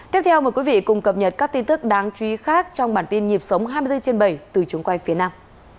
tiếp theo mời quý vị cùng cập nhật các tin tức đáng chú ý khác trong bản tin nhịp sống hai mươi bốn trên bảy từ trường quay phía nam